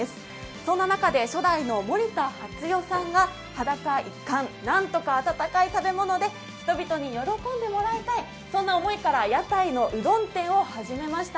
そんな中で初代の森田ハツヨさんが裸一貫何とか温かい食べ物で人々に喜んでもらいたい、そんな思いから屋台のうどん店を始めました。